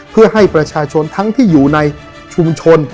เพื่อให้ประชาชนทั้งที่อยู่ในชุมชน